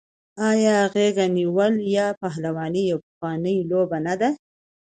آیا غیږ نیول یا پهلواني پخوانۍ لوبه نه ده؟